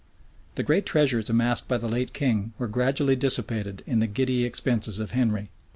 The great treasures amassed by the late king were gradually dissipated in the giddy expenses of Henry.